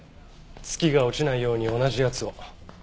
ツキが落ちないように同じやつを。